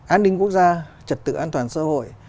an ninh quốc gia trật tự an toàn xã hội